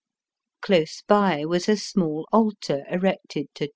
Close by was a small altar erected VOL.